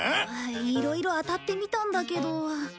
いろいろ当たってみたんだけど。